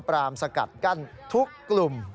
ปรามสกัดกั้นทุกกลุ่ม